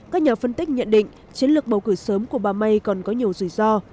các nhà phân tích nhận định chiến lược bầu cử sớm của bà may còn có nhiều rủi ro